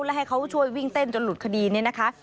และให้เขาช่วยวิ่งเต้นจนหลุดคดีนี้นะคะ